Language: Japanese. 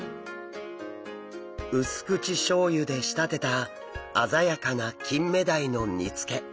薄口しょう油で仕立てた鮮やかなキンメダイの煮つけ。